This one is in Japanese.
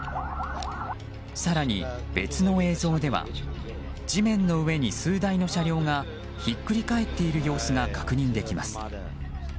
更に、別の映像では地面の上に数台の車両がひっくり返っている様子が確認できます。